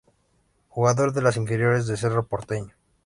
Jugador de las inferiores de Cerro Porteño.